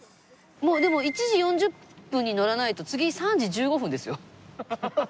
もうでも１時４０分に乗らないと次３時１５分ですよ。